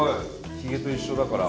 ひげと一緒だから。